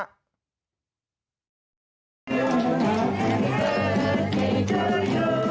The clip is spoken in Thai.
ทุกคนที่รักทุกคนที่รักทุกคนที่รัก